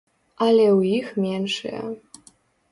Але ў іх меншыя.